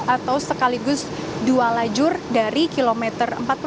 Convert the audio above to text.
atau sekaligus dua lajur dari kilometer empat puluh lima